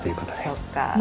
そっか。